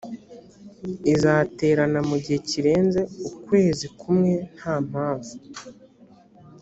izaterana mu gihe kirenze ukwezi kumwe nta mpamvu